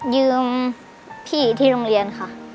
ยืมพี่ที่โรงเรียนค่ะ